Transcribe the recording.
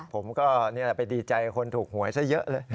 ผมก็นี่แหละไปดีใจคนถูกหวยซะเยอะเลย